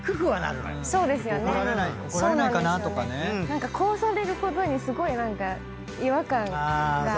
何かこうされることにすごい違和感があって。